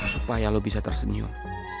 supaya lo bisa tersenyum